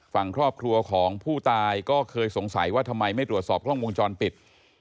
ฝั่งครอบครัวของผู้ตายก็เคยสงสัยว่าทำไมไม่ตรวจสอบกล้องวงจรปิด